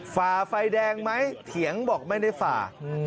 ฝ่าไฟแดงไหมเถียงบอกไม่ได้ฝ่า